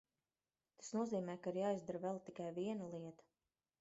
Tas nozīmē, ka ir jāizdara vēl tikai viena lieta.